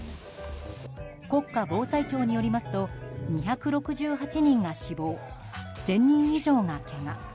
国家防災庁によりますと２６８人が死亡１０００人以上がけが。